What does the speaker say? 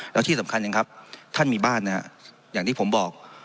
แล้วที่สำคัญยังครับท่านมีบ้านนะครับอย่างที่ผมบอก